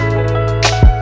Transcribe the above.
terima kasih ya allah